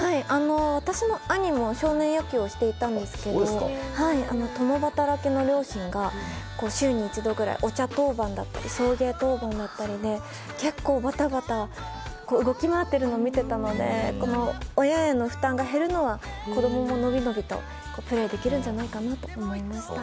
私の兄も少年野球をしていたんですけど共働きの両親が週に一度くらいお茶当番だったり送迎当番だったりで結構バタバタ動き回っているのを見ていたので親への負担が減るのは子供も伸び伸びとプレーできるんじゃないかなと思いました。